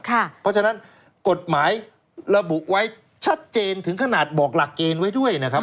เพราะฉะนั้นกฎหมายระบุไว้ชัดเจนถึงขนาดบอกหลักเกณฑ์ไว้ด้วยนะครับ